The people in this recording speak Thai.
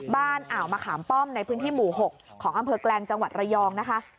อ่าวมะขามป้อมในพื้นที่หมู่๖ของอำเภอแกลงจังหวัดระยองนะคะ